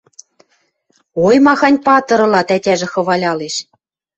— Ой, махань патыр ылат, — ӓтяжӹ хвалялеш.